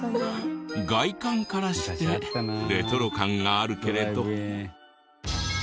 外観からしてレトロ感があるけれど。